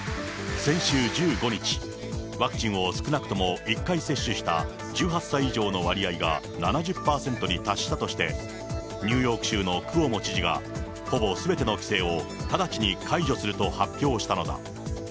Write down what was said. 先週１５日、ワクチンを少なくとも１回接種した１８以上の割合が７０％に達したとして、ニューヨーク州のクオモ知事が、ほぼすべての規制を直ちに解除すると発表したのだ。